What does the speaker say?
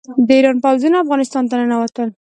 د ایران پوځونه افغانستان ته ننوتل.